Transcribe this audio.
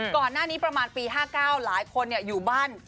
ก่อนหน้านี้ประมาณปี๕๙หลายคนอยู่บ้าน